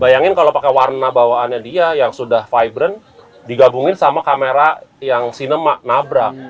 bayangin kalau pakai warna bawaannya dia yang sudah fibren digabungin sama kamera yang sinema nabrak